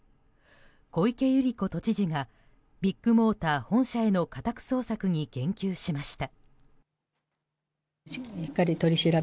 小池百合子都知事がビッグモーター本社への家宅捜索に言及しました。